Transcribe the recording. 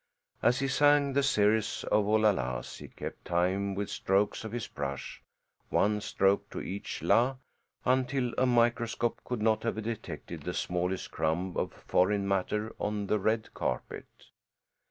"_ As he sang the series of "Oo la las" he kept time with strokes of his brush, one stroke to each "la," until a microscope could not have detected the smallest crumb of foreign matter on the red carpet.